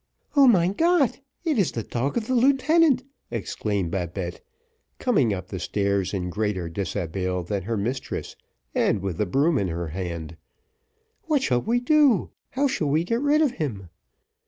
"Oh, mein Gott! it is the dog of the lieutenant," exclaimed Babette, coming up the stairs in greater dishabille than her mistress, and with the broom in her hand. "What shall we do how shall we get rid of him?"